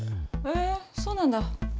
へえそうなんだ。